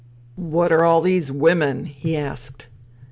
" What are all these women ?" he asked.